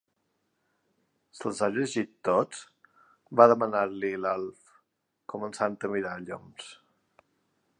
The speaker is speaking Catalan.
Se'ls ha llegit tots? —va demanar-li l'Alf, començant a mirar lloms.